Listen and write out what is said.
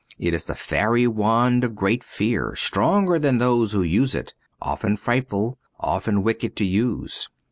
It is a fairy wand of great fear, stronger than those who use it — often frightful, often wicked to use.